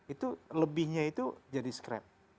itu lebihnya itu jadi scrap